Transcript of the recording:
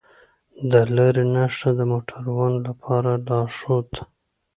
د لارې نښه د موټروانو لپاره لارښود ده.